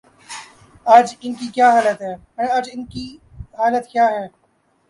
آج ان کی حالت کیا ہے؟